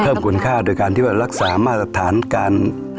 เพิ่มคุณค่าโดยการที่ว่ารักษามาตรฐานการ